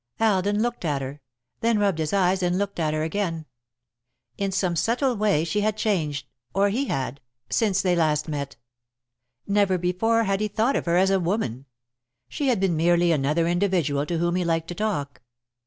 Alden looked at her, then rubbed his eyes and looked at her again. In some subtle way she had changed, or he had, since they last met. Never before had he thought of her as a woman; she had been merely another individual to whom he liked to talk.